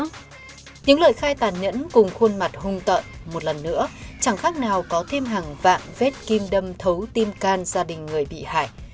trong những lời khai tàn nhẫn cùng khuôn mặt hung tợn một lần nữa chẳng khác nào có thêm hàng vạn vết kim đâm thấu tim can gia đình người bị hại